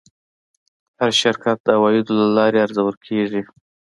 هر شرکت د عوایدو له لارې ارزول کېږي.